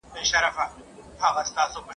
د سپي محتاج !.